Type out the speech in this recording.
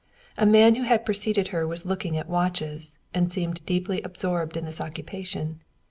A man who had preceded her was looking at watches, and seemed deeply absorbed in this occupation.